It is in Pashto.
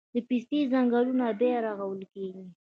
د پستې ځنګلونه بیا رغول کیږي